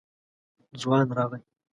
ځوان راغی.